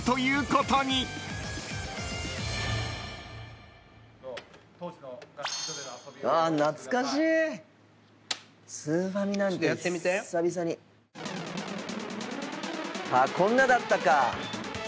こんなだったか。